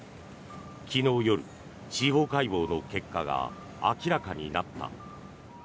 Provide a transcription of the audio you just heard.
昨日夜、司法解剖の結果が明らかになった。